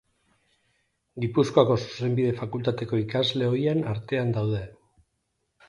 Gipuzkoako Zuzenbide Fakultateko ikasle ohien artean daude.